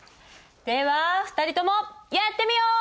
では２人ともやってみよう！